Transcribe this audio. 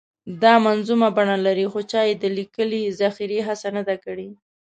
دا منظومه بڼه لري خو چا یې د لیکلې ذخیرې هڅه نه ده کړې.